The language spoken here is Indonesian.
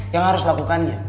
yang harus lakukannya